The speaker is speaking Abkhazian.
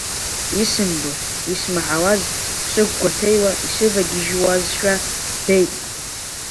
Исымбоз, исмаҳауаз ԥсык гәаҭеиуа исывагьежьуазшәа збеит.